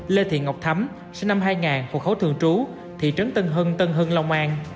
lê thị ngọc thắm sinh năm hai nghìn hộ khẩu thường trú thị trấn tân hưng tân hưng long an